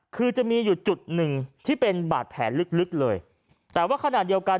คือจะมีอยู่จุดหนึ่งที่เป็นบาดแผลลึกเลยแต่ว่าขณะเดียวกัน